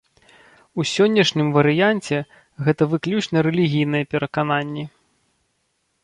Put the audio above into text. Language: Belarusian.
У сённяшнім варыянце гэта выключна рэлігійныя перакананні.